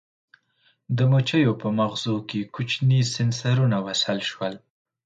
د مچیو په مغزو کې کوچني سېنسرونه وصل شول.